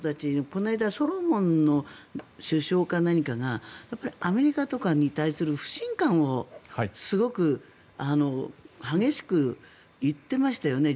この間、ソロモンの首相か何かがアメリカとかに対する不信感をすごく激しく言ってましたよね。